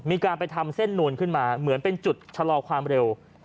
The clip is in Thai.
มีการไปทำเส้นนวลขึ้นมาเหมือนเป็นจุดชะลอความเร็ว